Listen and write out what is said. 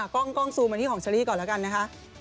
กล้องซูมมาที่ของเชอรี่ก่อนแล้วกันนะคะ